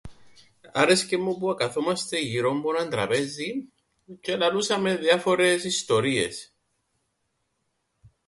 Άρεσκεν μου που εκαθούμαστεν γυρόν που έναν τραπέζιν τζ̆αι ελαλούσαμεν διάφορες ιστορίες.